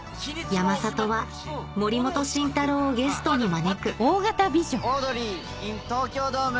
山里は森本慎太郎をゲストに招くオードリーｉｎ東京ドーム。